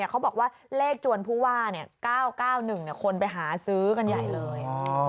เขาบอกว่าเลขจวนผู้ว่า๙๙๑คนไปหาซื้อกันใหญ่เลย